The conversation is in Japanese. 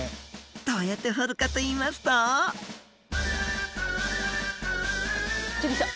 どうやって掘るかといいますと出てきた！